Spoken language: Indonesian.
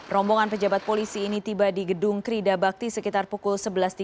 rombongan pejabat polisi ini tiba di gedung krida bakti sekitar pukul sebelas tiga puluh